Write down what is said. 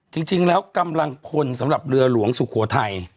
จริงแล้วกำลังพลสำหรับเรือหลวงสุโขทัย